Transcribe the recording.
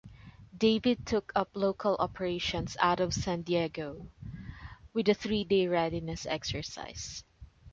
David took up local operations out of San Diego with a three-day readiness exercise.